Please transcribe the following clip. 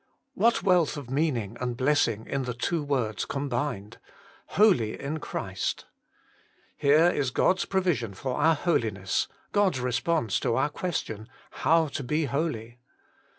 What wealth of meaning and blessing in the two words combined : HOLY IN CHRIST ! Here is God's provision for our holiness, God's response to our ques tion, How to be holy